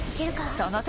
その時